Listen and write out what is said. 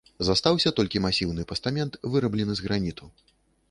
Застаўся толькі масіўны пастамент, выраблены з граніту.